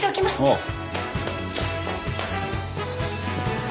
おう。